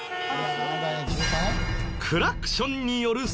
クラクション？渋滞？